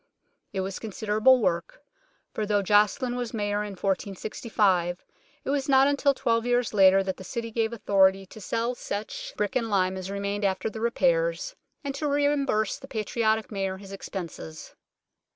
It was a considerable work, for though Joceline was Mayor in 1465, it was not until twelve years later that the City gave authority to sell such 28 UNKNOWN LONDON brick and lime as remained after the repairs, and to reimburse the patriotic mayor his expenses.